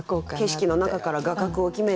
景色の中から画角を決めて。